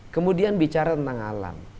kemudian bicara tentang alam